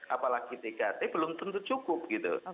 apalagi tkt belum tentu cukup gitu